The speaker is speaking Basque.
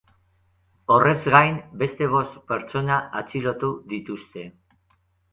Horrez gain, beste bost pertsona atxilotu dituzte.